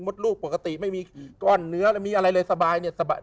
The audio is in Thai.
ลูกปกติไม่มีก้อนเนื้อมีอะไรเลยสบายเนี่ยสบาย